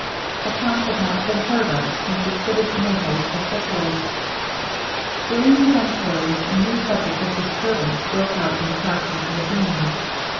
The count had not been heard of since he quitted Naples for Sicily. During these enquiries a new subject of disturbance broke out in the castle of Mazzini.